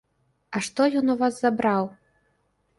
А што ён у вас забраў?